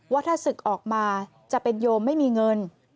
ว่าถ้าศึกออกมาจะเป็นโยมไม่มีเงิน